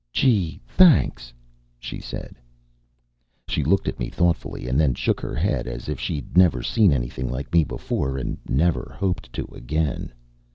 "Gee, thanks," she said. She looked at me thoughtfully and then shook her head as if she'd never seen anything like me before and never hoped to again.